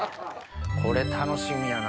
これ楽しみやな。